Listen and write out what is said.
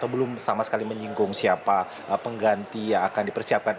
belum sama sekali menyinggung siapa pengganti yang akan dipersiapkan